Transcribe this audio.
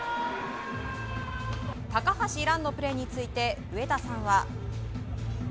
高橋藍のプレーについて植田さんは。